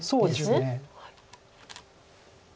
そうですね。